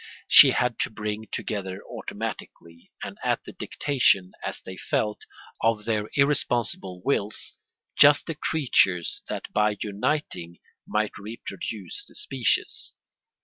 She had to bring together automatically, and at the dictation, as they felt, of their irresponsible wills, just the creatures that by uniting might reproduce the species.